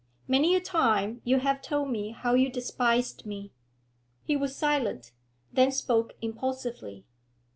Many a time you have told me how you despised me.' He was silent, then spoke impulsively.